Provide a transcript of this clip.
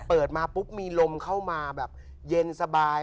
เปิดมาปุ๊บมีลมเข้ามาแบบเย็นสบาย